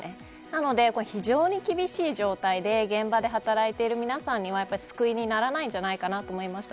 なので、非常に厳しい状態で現場で働いている皆さんには救いにならないんじゃないのかなと思いました。